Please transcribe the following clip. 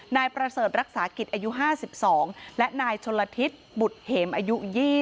นายประเสริฐรักษากิจอายุ๕๒และนายชนละทิศบุตรเหมอายุ๒๐